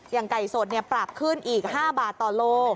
อย่างไก่สดเนี่ยปรับขึ้นอีก๕บาทต่อโล